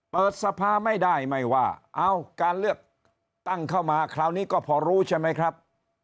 เปิดสภาไม่ได้ไม่ว่าเอาการเลือกตั้งเข้ามาคราวนี้ก็พอรู้ใช่ไหมครับ